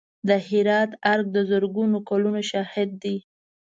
د هرات ارګ د زرګونو کلونو شاهد دی.